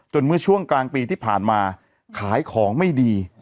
เมื่อช่วงกลางปีที่ผ่านมาขายของไม่ดี